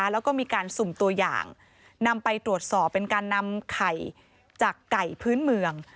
แล้วก็มีการสุ่มตัวอย่างนำไปตรวจสอบเป็นการนำไข่จากไก่พื้นเมือง